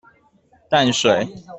淡水